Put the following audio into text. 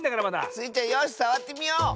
スイちゃんよしさわってみよう！